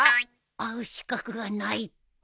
会う資格がないって。